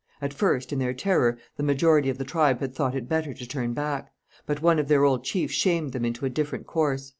At first, in their terror, the majority of the tribe had thought it better to turn back; but one of their old chiefs shamed them into a different course.